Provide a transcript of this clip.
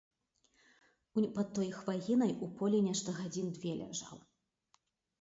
Унь пад той хваінай у полі нешта гадзін дзве ляжаў.